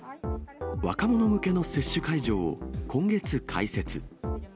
若者向けの接種会場を、今月開設。